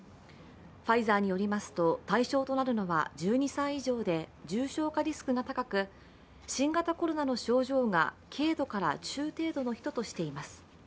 ファイザーによりますと対象となるのは１２歳以上で重症化リスクが高く、新型コロナの症状が軽度から中程度の人としています。